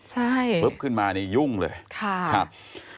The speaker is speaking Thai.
ใช่คุณมานี่ยุ่งเลยครับใช่